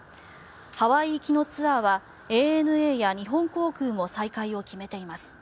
ハワイ行きのツアーはＡＮＡや日本航空も再開を決めています。